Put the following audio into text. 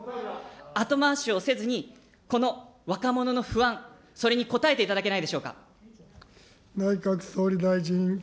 後回しをせずに、この若者の不安、それに応えていただけないでしょうか。